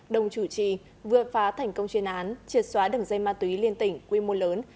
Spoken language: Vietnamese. đồng chủ trì vừa phá thành công chuyên án triệt xóa đường dây ma túy liên tỉnh quy mô lớn